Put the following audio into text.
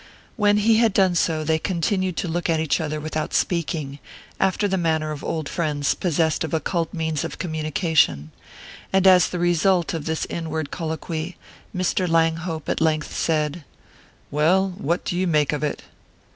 When he had done so they continued to look at each other without speaking, after the manner of old friends possessed of occult means of communication; and as the result of this inward colloquy Mr. Langhope at length said: "Well, what do you make of it?"